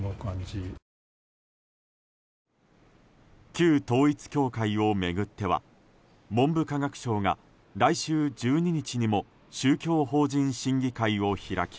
旧統一教会を巡っては文部科学省が来週１２日にも宗教法人審議会を開き